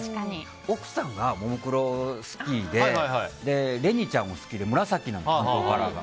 奥さんが、ももクロ好きでれにちゃんを好きで紫なの、担当カラーが。